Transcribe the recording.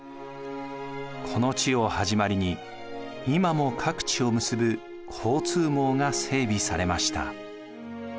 この地を始まりに今も各地を結ぶ交通網が整備されました。